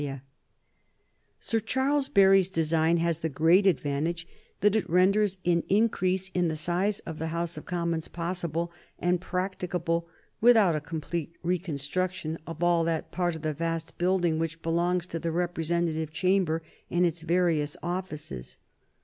[Sidenote: 1840 Ladies in the House of Commons] Sir Charles Barry's design has the great advantage that it renders an increase in the size of the House of Commons possible and practicable without a complete reconstruction of all that part of the vast building which belongs to the representative chamber and its various offices.